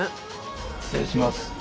失礼します。